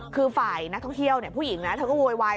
คือฝ่ายนักท่องเที่ยวผู้หญิงนะเธอก็โวยวาย